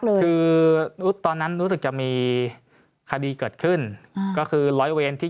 คือตอนนั้นรู้สึกจะมีคดีเกิดขึ้นก็คือร้อยเวรที่